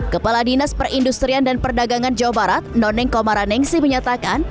kepala dinas perindustrian dan perdagangan jawa barat noneng komara nengsi menyatakan